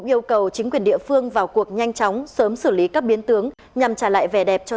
yêu cầu chính quyền địa phương vào cuộc nhanh chóng sớm xử lý các biến tướng nhằm trả lại vẻ đẹp cho